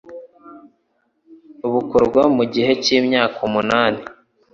bukorwa mu gihe cy'imyaka umunani,